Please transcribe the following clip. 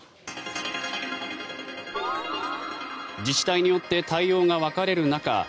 自治体によって対応が分かれる中